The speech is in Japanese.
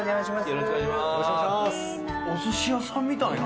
よろしくお願いします。